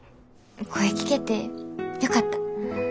声聞けてよかった。